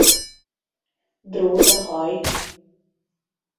Drót a haj?